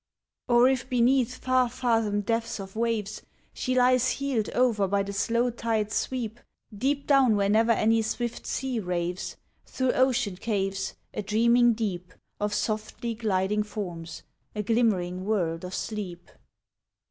Or if beneath far fathom depths of waves She lies heeled over by the slow tide's sweep, Deep down where never any swift sea raves, Through ocean caves, A dreaming deep Of softly gliding forms, a glimmering world of sleep.